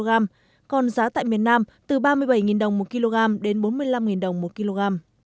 giá lợn hơi tại miền nam từ ba mươi bảy đồng một kg đến bốn mươi năm đồng một kg